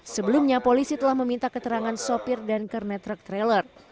sebelumnya polisi telah meminta keterangan sopir dan kernetruk trailer